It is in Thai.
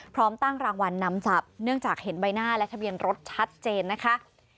พร้อมตั้งรางวัลนำจับเนื่องจากเห็นใบหน้าและทะเบียนรถชัดเจนนะคะ